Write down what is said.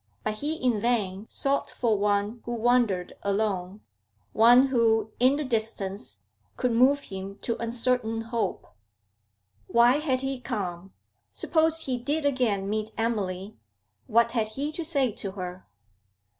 But he in vain sought for one who wandered alone, one who, in the distance, could move him to uncertain hope. Why had he come? Suppose he did again meet Emily, what had he to say to her?